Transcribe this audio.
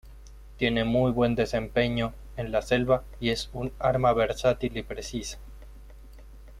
Tiene muy buen desempeño en la selva y es un arma versátil y precisa.